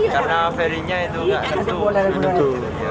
karena ferinya itu nggak tentu